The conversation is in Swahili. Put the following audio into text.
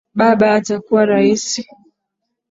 Baba atakuwa rais